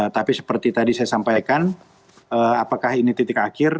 tapi seperti tadi saya sampaikan apakah ini titik akhir